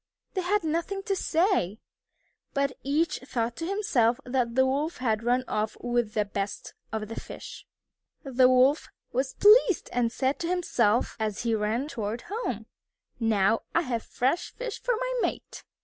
They had nothing to say, but each thought to himself that the Wolf had run off with the best of the fish. The Wolf was pleased and said to himself, as he ran toward home, "Now I have fresh fish for my mate."